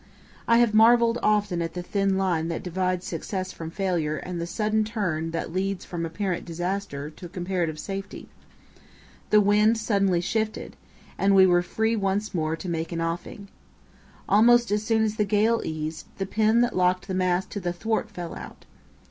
I have marvelled often at the thin line that divides success from failure and the sudden turn that leads from apparently certain disaster to comparative safety. The wind suddenly shifted, and we were free once more to make an offing. Almost as soon as the gale eased, the pin that locked the mast to the thwart fell out.